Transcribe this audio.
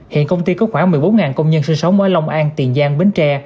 hiện công ty có khoảng một mươi bốn công nhân sinh sống ở long an tiền giang bến tre